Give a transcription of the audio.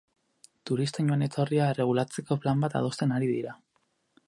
Turisten joan-etorria erregulatzeko plan bat adosten ari dira.